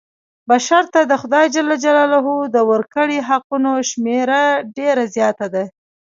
بشر ته د خدای ج د ورکړي حقونو شمېره ډېره زیاته ده.